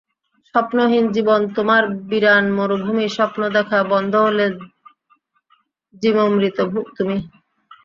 স্বপ্নহীন জীবন তোমার বিরান মরুভূমি স্বপ্ন দেখা বন্ধ হলে জীবন্মৃত তুমি।